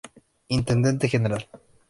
Intendente general.